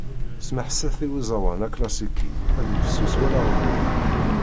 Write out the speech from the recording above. Smeḥset i uẓawan aklasiki, ad yifsus wallaɣ-nwen.